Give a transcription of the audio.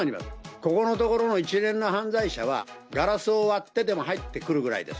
ここのところの一連の犯罪者は、ガラスを割ってでも入ってくるぐらいです。